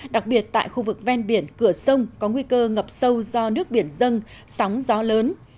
đặc biệt tại khu vực ven biển cửa sông có nguy cơ ngập sâu do nước biển dâng sóng gió lớn